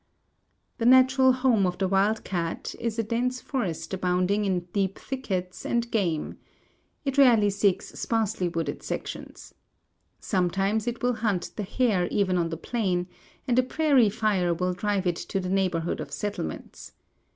The natural home of the wild cat is a dense forest abounding in deep thickets and game. It rarely seeks sparsely wooded sections. Sometimes it will hunt the hare even on the plain, and a prairie fire will drive it to the neighborhood of settlements.